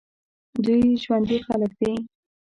دوی ژوندي خلک دي.